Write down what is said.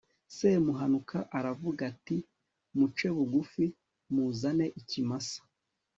semuhanuka aravuga ati muce bugufi, muzane ikimasa